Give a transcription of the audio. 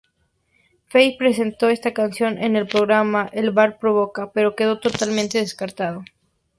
Fey presentó esta canción en el programa "El bar provoca", pero quedó totalmente descartado.